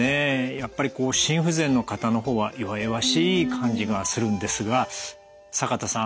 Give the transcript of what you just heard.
やっぱりこう心不全の方の方は弱々しい感じがするんですが坂田さん